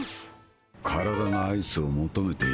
体がアイスを求めている